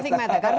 ini bukan berguna